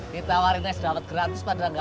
ditawarin es daud gratis pada gama